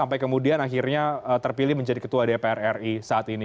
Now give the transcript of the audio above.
akhirnya terpilih menjadi ketua dpr ri saat ini